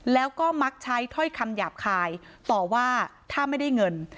แล้วก็มักใช้ถ้อยคำหยาบคายต่อว่าถ้าไม่ได้เงิน